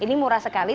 ini murah sekali